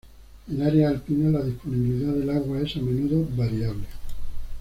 En áreas alpinas, la disponibilidad del agua es a menudo variable.